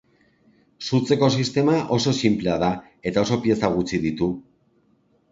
Sutzeko sistema oso sinplea da eta oso pieza gutxi ditu.